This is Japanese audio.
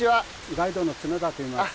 ガイドの常田といいます。